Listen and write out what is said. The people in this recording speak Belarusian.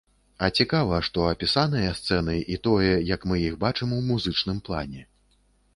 А цікава, што апісаныя сцэны і тое, як мы іх бачым ў музычным плане.